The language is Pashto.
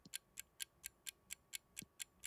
سخت ضرورت ورته درلود.